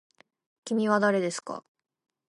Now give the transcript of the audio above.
きみはだれですか。